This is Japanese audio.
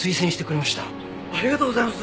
ありがとうございます！